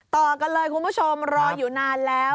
ต่อกันเลยคุณผู้ชมรออยู่นานแล้ว